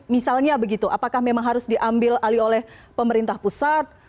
misalnya begitu apakah memang harus diambil alih oleh pemerintah pusat